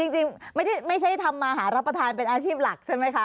จริงไม่ใช่ทำมาหารับประทานเป็นอาชีพหลักใช่ไหมคะ